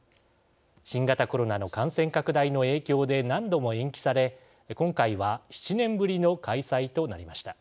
新型コロナの感染拡大の影響で何度も延期され、今回は７年ぶりの開催となりました。